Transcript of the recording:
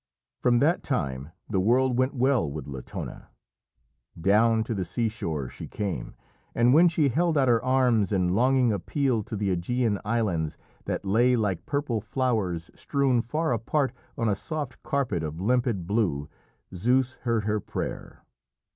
From that time the world went well with Latona. Down to the seashore she came, and when she held out her arms in longing appeal to the Ægean islands that lay like purple flowers strewn, far apart, on a soft carpet of limpid blue, Zeus heard her prayer.